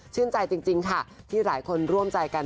ใจจริงค่ะที่หลายคนร่วมใจกัน